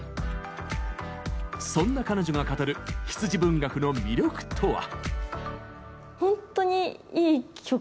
そんな彼女が語る羊文学の魅力とは？